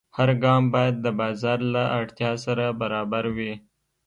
هر ګام باید د بازار له اړتیا سره برابر وي.